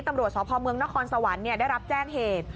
ตำรวจสพเมืองนครสวรรค์ได้รับแจ้งเหตุ